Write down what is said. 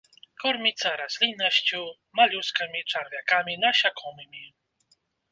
Корміцца расліннасцю, малюскамі, чарвякамі, насякомымі.